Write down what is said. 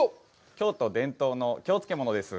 京都伝統の京漬物です。